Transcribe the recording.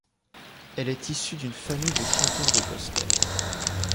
Elle est issue d'une famille de chanteurs de gospel.